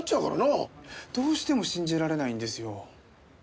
どうしても信じられないんですよ。